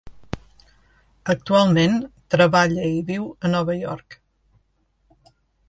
Actualment treballa i viu a Nova York.